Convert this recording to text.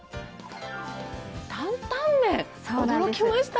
担々麺、驚きました！